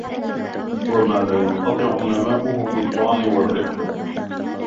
وَمَا لَا يَنْقَطِعُ نَمَاؤُهُ بِالظَّعْنِ وَالرِّحْلَةِ